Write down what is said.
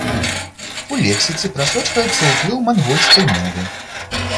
У лексіцы прасочваецца ўплыў мангольскай мовы.